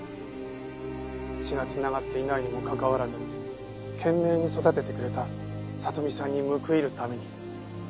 血が繋がっていないにもかかわらず懸命に育ててくれた里美さんに報いるために。